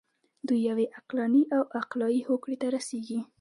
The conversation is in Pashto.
دوی یوې عقلاني او عقلایي هوکړې ته رسیږي.